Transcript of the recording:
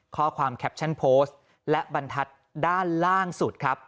ข้อความแคปชั่นโพสต์และบรรทัศน์ด้านล่างสุดครับ